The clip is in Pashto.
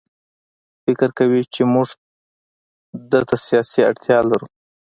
فکر کوي چې موږ ده ته سیاسي اړتیا لرو.